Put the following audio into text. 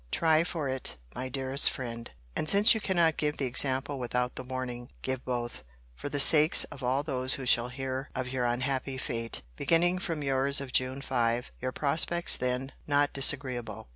Try for it, my dearest friend; and since you cannot give the example without the warning, give both, for the sakes of all those who shall hear of your unhappy fate; beginning from your's of June 5, your prospects then not disagreeable.